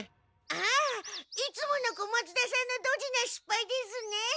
ああいつもの小松田さんのドジなしっぱいですね。